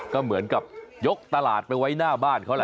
ก็เหมือนกับยกตลาดไปไว้หน้าบ้านเขาล่ะ